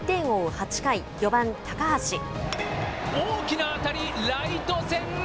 ８回、大きな当たり、ライト線。